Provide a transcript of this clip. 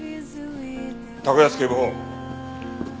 高安警部補。